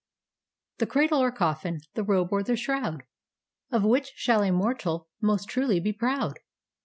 ] The Cradle or Coffin, the robe or the shroud, Of which shall a mortal most truly be proud?